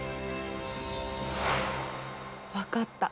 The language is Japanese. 分かった。